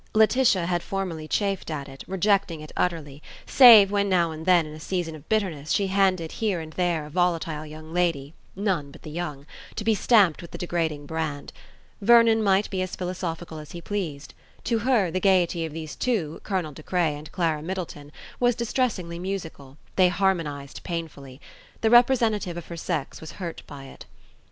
Laetitia had formerly chafed at it, rejecting it utterly, save when now and then in a season of bitterness she handed here and there a volatile young lady (none but the young) to be stamped with the degrading brand. Vernon might be as philosophical as he pleased. To her the gaiety of these two, Colonel De Craye and Clara Middleton, was distressingly musical: they harmonized painfully. The representative of her sex was hurt by it.